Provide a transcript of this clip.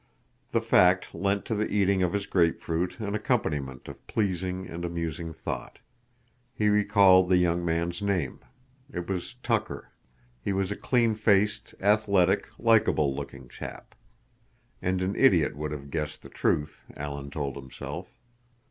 The fact lent to the eating of his grapefruit an accompaniment of pleasing and amusing thought. He recalled the young man's name. It was Tucker. He was a clean faced, athletic, likable looking chap. And an idiot would have guessed the truth, Alan told himself.